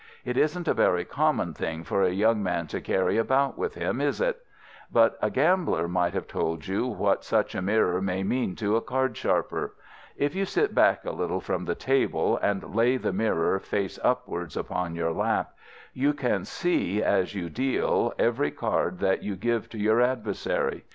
It isn't a very common thing for a young man to carry about with him, is it? But a gambler might have told you what such a mirror may mean to a cardsharper. If you sit back a little from the table, and lay the mirror, face upwards, upon your lap, you can see, as you deal, every card that you give to your adversary.